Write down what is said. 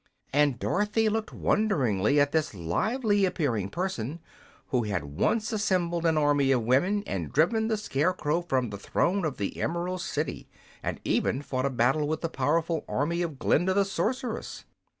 And Dorothy looked wonderingly at this lively appearing person, who had once assembled an army of women and driven the Scarecrow from the throne of the Emerald City, and even fought a battle with the powerful army of Glinda the Sorceress.